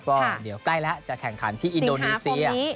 ก็เดี๋ยวใกล้แล้วจะแข่งขันที่อินโดนีเซีย